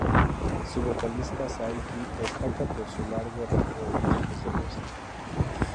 Su vocalista Saiki destaca por su largo rango en tipos de voz.